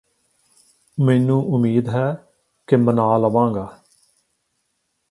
ਮੈਨੂੰ ਉਮੀਦ ਹੈ ਕਿ ਮਨਾ ਲਵਾਂਗਾ